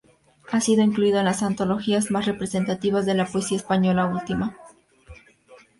Ha sido incluido en las antologías más representativas de la poesía española última.